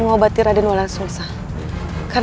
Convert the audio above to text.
yang libertiasa mengisi perusahaan tuhan di perjalanan